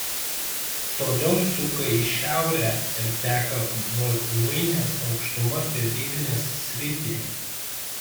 Toliau suka į šiaurę ir teka Voluinės aukštuma per Rivnės sritį.